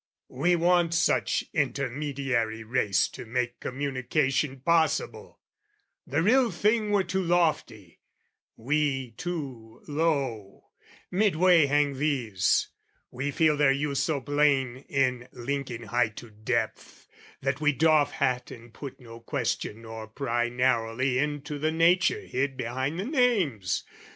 We want such intermediary race To make communication possible; The real thing were too lofty, we too low, Midway hang these: we feel their use so plain In linking height to depth, that we doff hat And put no question nor pry narrowly Into the nature hid behind the names.